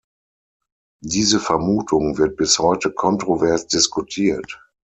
Diese Vermutung wird bis heute kontrovers diskutiert.